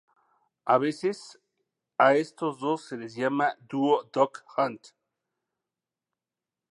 A veces a estos dos se les llama "Duo Duck Hunt".